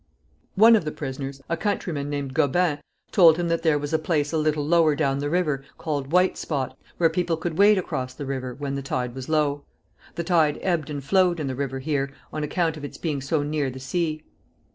One of the prisoners, a countryman named Gobin, told him that there was a place a little lower down the river, called White Spot, where people could wade across the river when the tide was low. The tide ebbed and flowed in the river here, on account of its being so near the sea.